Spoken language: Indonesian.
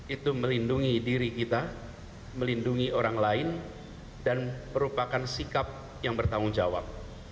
itu melindungi diri kita melindungi orang lain dan merupakan sikap yang bertanggung jawab